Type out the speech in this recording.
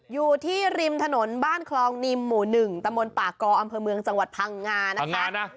อยู่ที่ริมถนนบ้านคลองนิมหมู่๑ตะมนต์ปากกออำเภอเมืองจังหวัดพังงานะคะ